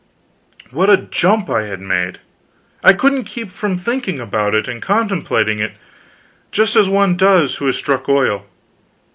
What a jump I had made! I couldn't keep from thinking about it, and contemplating it, just as one does who has struck oil.